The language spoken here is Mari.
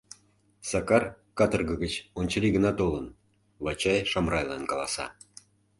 — Сакар каторга гыч ончылий гына толын, — Вачай Шамрайлан каласа.